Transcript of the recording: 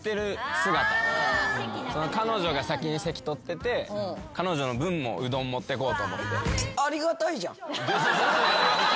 彼女が先に席取ってて彼女の分もうどん持ってこうと思って。